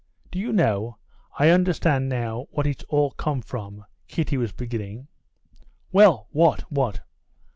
"Do you know, I understand now what it's all come from," Kitty was beginning. "Well, what? what?"